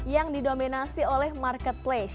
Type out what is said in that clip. yang didominasi oleh marketplace